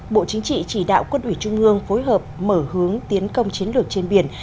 bộ chính trị chỉ đạo quân ủy trung ương phối hợp mở hướng tiến công chiến lược trên biển